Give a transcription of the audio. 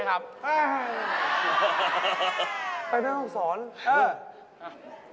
ไปเหนืองถ่องศร